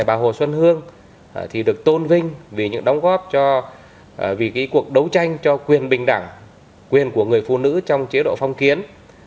bà hồ xuân hương thì được tôn vinh vì những đóng góp vì cuộc đấu tranh cho quyền bình đẳng quyền của người phụ nữ trong chế độ phong kiến